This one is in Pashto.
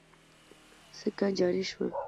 سکه جاري شوه.